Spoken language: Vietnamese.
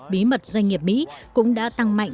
bí mật doanh nghiệp mỹ cũng đã tăng mạnh